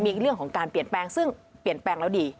มีเรื่องของการเปลี่ยนแปลงซึ่งเปลี่ยนแปลงแล้วดี